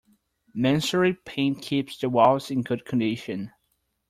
Masonry paint keeps the walls in good condition.